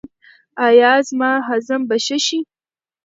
ایا زما هضم به ښه شي؟